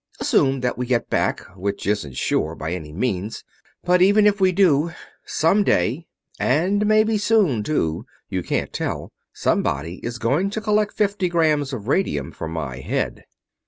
Assume that we get back, which isn't sure, by any means. But even if we do, some day and maybe soon, too, you can't tell somebody is going to collect fifty grams of radium for my head."